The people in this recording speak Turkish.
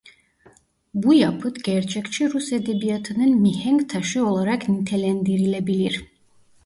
Bu yapıt "Gerçekçi Rus Edebiyatı"nın mihenk taşı olarak nitelendirilebilir.